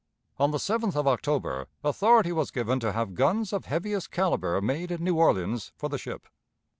On the 7th of October authority was given to have guns of heaviest caliber made in New Orleans for the ship.